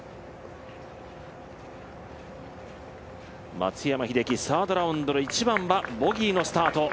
松山英樹、サードラウンドの１番はボギーのスタート。